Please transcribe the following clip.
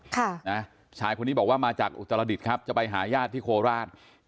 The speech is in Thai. ค่ะนะชายคนนี้บอกว่ามาจากอุตรดิษฐ์ครับจะไปหาญาติที่โคราช